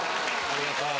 ありがとう！